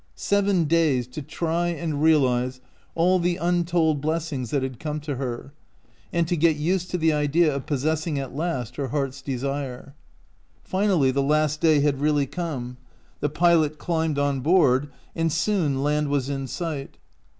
Seven days to try and realize all the un told blessings that had come to her, and tb get used to the idea of possessing at last her heart's desire. Finally the last day had. really come. The pilot climbed on board, and soon land was in sight.